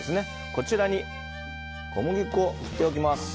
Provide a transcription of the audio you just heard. こちらに小麦粉を振っておきます。